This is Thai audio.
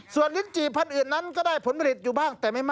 ส่วนลิ้นจี่พันธุ์อื่นนั้นก็ได้ผลผลิตอยู่บ้าง